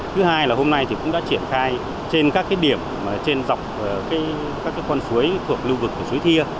thứ hai là hôm nay thì cũng đã triển khai trên các điểm trên dọc các con suối thuộc lưu vực suối thia